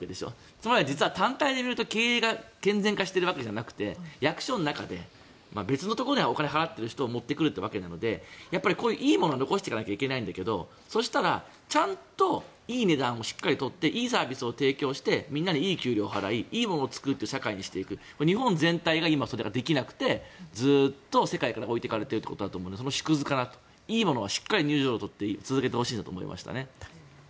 つまり、単体で見ると経営が健全化しているわけじゃなくて役所の中で、別のところでお金を払っている人を持ってくるっていうわけなのでこういういいものは残していかないといけないんだけどそしたら、ちゃんといい値段をしっかり取っていいサービスを提供してみんなにいい給料を払いいいものを作る社会にしていく今、日本全体がそれができなくてずっと世界から置いてかれているということだと思うのでハァ頭がそんな時頭痛薬に求めるのは？